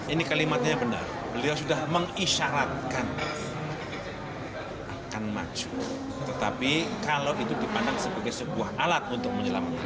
ini kalimatnya yang benar beliau sudah mengisyaratkan akan maju tetapi kalau itu dipandang sebagai sebuah alat untuk menyelamatkan